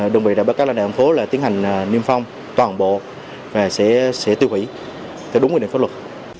đồng biệt là các loại đoạn phố tiến hành niêm phong toàn bộ và sẽ tiêu hủy theo đúng nguyên liệu pháp luật